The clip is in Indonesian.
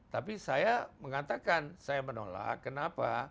tapi saya mengatakan saya menolak kenapa